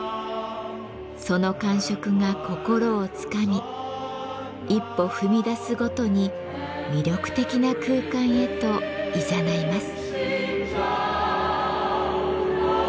その感触が心をつかみ一歩踏み出すごとに魅力的な空間へといざないます。